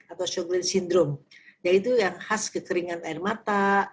atau sjogren sindrom yaitu yang khas kekeringan air mata